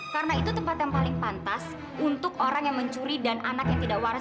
karena itu tempat yang paling pantas untuk orang yang mencuri dan anak yang tidak waras